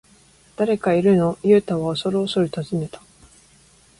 「誰かいるの？」ユウタはおそるおそる尋ねた。